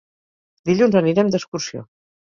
Dilluns anirem d'excursió.